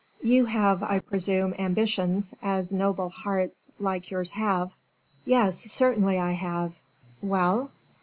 "You have, I presume, ambitions, as noble hearts like yours have." "Yes, certainly I have." "Well?"